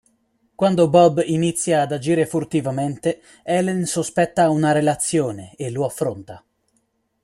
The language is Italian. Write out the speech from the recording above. Quando Bob inizia ad agire furtivamente, Helen sospetta una relazione e lo affronta.